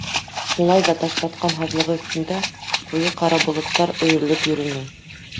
Шулай ҙа Ташбатҡан һаҙлығы өҫтөндә ҡуйы ҡара болоттар өйрөлөп йөрөнө.